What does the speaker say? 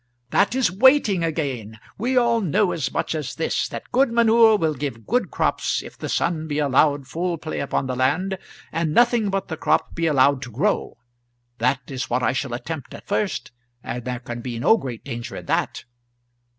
"That is waiting again. We all know as much as this, that good manure will give good crops if the sun be allowed full play upon the land, and nothing but the crop be allowed to grow. That is what I shall attempt at first, and there can be no great danger in that."